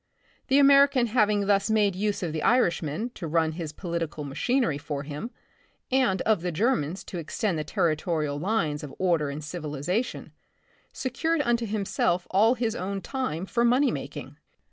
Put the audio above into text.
The American having thus made use of the Irishmen to run his political machinery for him, and of the Germans to extend the territo rial lines of order and civilization, secured unto himself all his own time for money making.